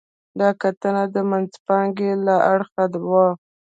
دا کتنه د منځپانګې له اړخه وه.